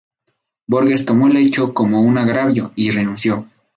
Borges tomó el hecho como un agravio y renunció.